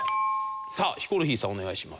ヒコロヒーさんお願いします。